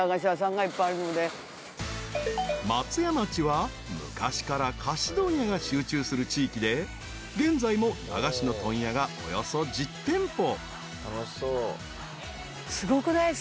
［松屋町は昔から菓子問屋が集中する地域で現在も駄菓子の問屋がおよそ１０店舗］